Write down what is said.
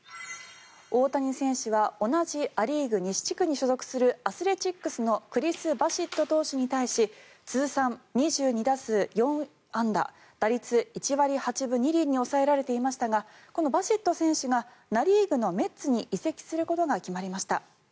大谷選手は同じア・リーグ西地区に所属するアスレチックスのクリス・バシット投手に対し通算２２打数４安打打率１割８分２厘に抑えられていましたがこのバシット選手がナ・リーグのメッツに移籍することが決まりました。